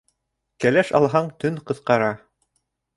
Кәләш алһаң төн ҡыҫҡара.